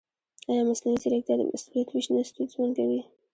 ایا مصنوعي ځیرکتیا د مسؤلیت وېش نه ستونزمن کوي؟